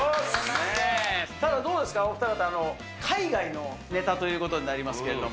ただどうですか、お二方、海外のネタということになりますけども。